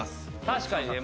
確かにね。